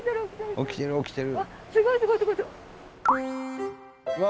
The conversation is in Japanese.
起きてる起きてる！